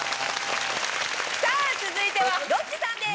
さあ続いてはロッチさんです。